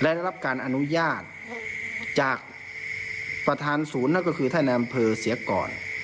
และได้รับการอนุญาตจากประธานศูนย์นั่นก็คือท่านในอำเภอเสียก่อน